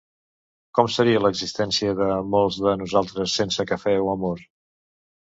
¿Com seria l'existència de molts de nosaltres sense cafè o amor?